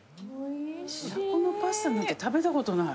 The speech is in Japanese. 白子のパスタなんて食べたことない。